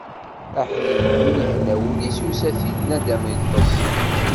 Aḥlil win ihenna wul-is, yusa-t-id naddam yeṭṭes.